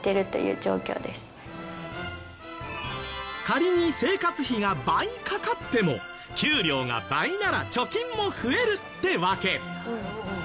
仮に生活費が倍かかっても給料が倍なら貯金も増えるってわけ。